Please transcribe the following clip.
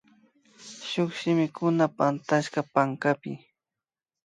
Shuk kimichikuna pactashka pankapi